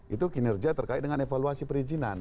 itu kinerja terkait dengan evaluasi perizinan